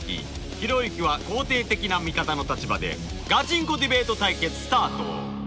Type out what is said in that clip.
ひろゆきは「肯定的な見方」の立場でガチンコディベート対決スタート！